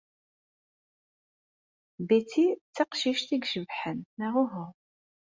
Betty d taqcict ay icebḥen, neɣ uhu?